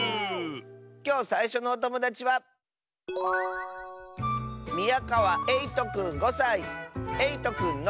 きょうさいしょのおともだちはえいとくんの。